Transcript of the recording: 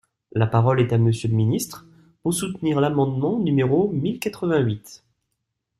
La parole est à Monsieur le ministre, pour soutenir l’amendement numéro mille quatre-vingt-huit.